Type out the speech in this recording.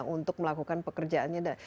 untuk melakukan pekerjaannya